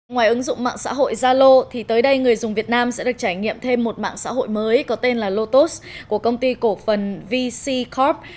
ngoài ứng dụng mạng xã hội zalo thì tới đây người dùng việt nam sẽ được trải nghiệm thêm một mạng xã hội mới có tên là lotus của công ty cổ phần vc corp